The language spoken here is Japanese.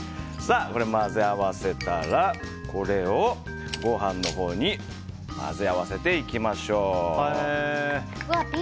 混ぜ合わせたら、これをご飯に混ぜ合わせていきましょう。